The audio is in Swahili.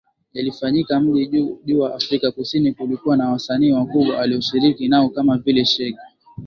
Yalifanyika mji jua Afrika Kusini kulikuwa na wasanii wakubwa aliyoshiriki nao kama vile Shaggy